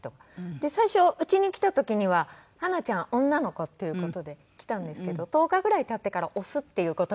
で最初うちに来た時にはハナちゃん女の子っていう事で来たんですけど１０日ぐらい経ってからオスっていう事がわかりまして。